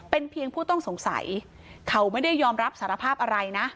เป็นเพียงผู้ต้องสงสัยเขาไม่ได้ยอมรับสารภาพอะไรนะ